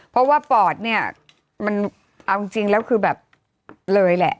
เพราะว่าปอดเนี่ยมันเอาจริงแล้วคือแบบเลยแหละ